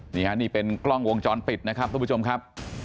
นี่ฮะนี่เป็นกล้องวงจรปิดนะครับทุกผู้ชมครับ